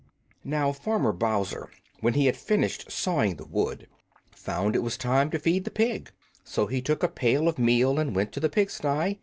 Now Farmer Bowser, when he had finished sawing the wood, found it was time to feed the pig, so he took a pail of meal and went to the pigsty.